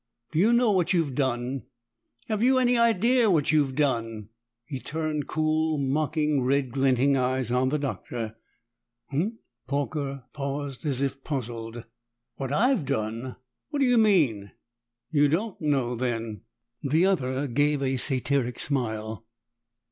"Do you know what you've done? Have you any idea what you've done?" He turned cool, mocking, red glinting eyes on the Doctor. "Huh?" Horker paused as if puzzled. "What I've done? What do you mean?" "You don't know, then." The other gave a satyric smile.